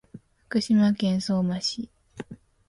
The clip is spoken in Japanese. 福島県相馬市